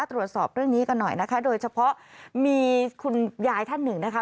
ตรวจสอบเรื่องนี้กันหน่อยนะคะโดยเฉพาะมีคุณยายท่านหนึ่งนะคะ